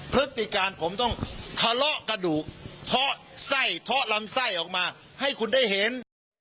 พฤติการผมต้องทะเลาะกระดูกเพาะไส้เทาะลำไส้ออกมาให้คุณได้เห็น